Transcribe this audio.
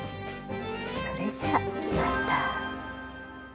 それじゃあまた。